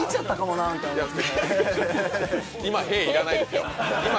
今、へぇ要らないですよ。